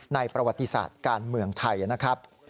ประวัติศาสตร์การเมืองไทยนะครับ